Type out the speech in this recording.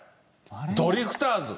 ドリフターズ。